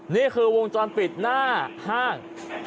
นี่คือวงจรปิดหน้าห้าง